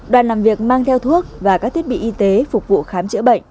đoàn làm việc mang theo thuốc và các thiết bị y tế phục vụ khám chữa bệnh